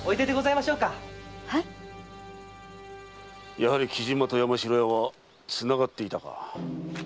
やはり木島と山城屋はつながっていたか。